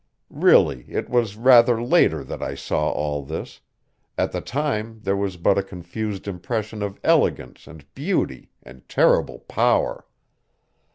Really it was rather later that I saw all this; at the time there was but a confused impression of elegance and beauty and terrible power.